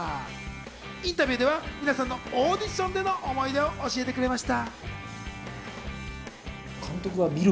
インタビューでは皆さんのオーディションでの思い出を教えてくれました。